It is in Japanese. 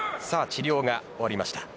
治療が終わりました。